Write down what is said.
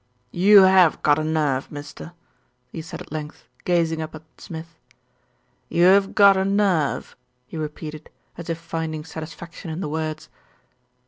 "You 'ave got a nerve, mister," he said at length, gazing up at Smith. "You 'ave got a nerve," he re peated, as if finding satisfaction in the words.